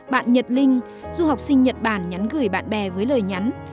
bạn nhật linh du học sinh nhật bản nhắn gửi bạn bè với lời nhắn